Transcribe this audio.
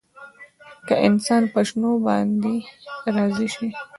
که انسان په شتو باندې راضي شي.